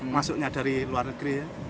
masuknya dari luar negeri